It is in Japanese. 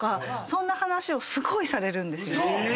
そんな話をすごいされるんです。